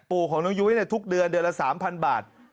ปู่ของน้องยุ้ยทุกเดือนเดือนละ๓๐๐บาท